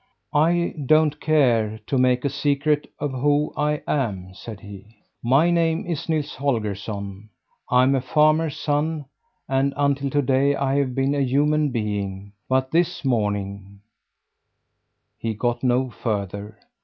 "I don't care to make a secret of who I am," said he. "My name is Nils Holgersson. I'm a farmer's son, and, until to day, I have been a human being; but this morning " He got no further.